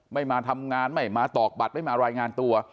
ไม่มาทำงานไม่มาตอกบัตรไม่มารายงานตัว